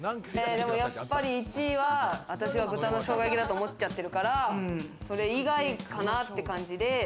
やっぱり１位は私は豚の生姜焼きだと思っちゃってるから、それ以外かなって感じで。